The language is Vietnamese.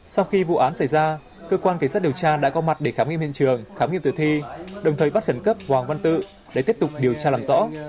sau khi vụ án xảy ra cơ quan cảnh sát điều tra đã có mặt để khám nghiệm hiện trường khám nghiệm tử thi đồng thời bắt khẩn cấp hoàng văn tự để tiếp tục điều tra làm rõ